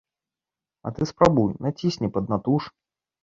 А ты спрабуй, націсні, паднатуж.